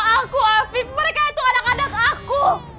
aku afif mereka itu anak anak aku